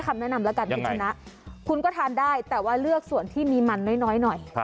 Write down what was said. คุณก็ทานได้แต่ว่าเลือกส่วนที่มีมันน้อย